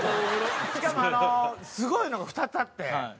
しかもあのすごいのが２つあって。